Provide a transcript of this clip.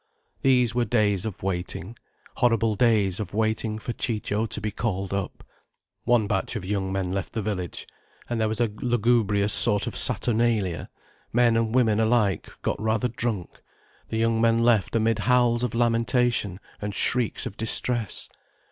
These were days of waiting—horrible days of waiting for Ciccio to be called up. One batch of young men left the village—and there was a lugubrious sort of saturnalia, men and women alike got rather drunk, the young men left amid howls of lamentation and shrieks of distress.